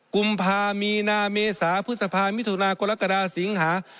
กุมภามีนาเมษาพฤษภามิถุนากรกฎาสิงหา